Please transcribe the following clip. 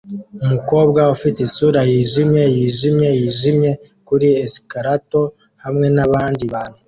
Umukobwa ufite isura yijimye yijimye yijimye kuri escalator hamwe nabandi bantu